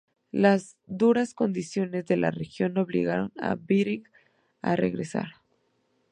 Las duras condiciones de la región obligaron a Bering a regresar.